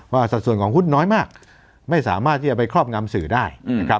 สัดส่วนของหุ้นน้อยมากไม่สามารถที่จะไปครอบงำสื่อได้นะครับ